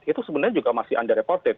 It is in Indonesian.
itu sebenarnya juga masih anda reported